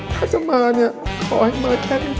ถ้าจะมาเนี่ยขอให้มาแค่นี้ก็พอ